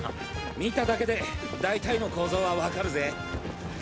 見ただけで大体の構造はわかるぜ。